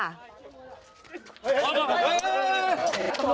โอ้โห